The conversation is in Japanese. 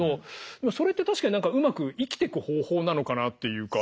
でもそれって確かにうまく生きてく方法なのかなっていうか。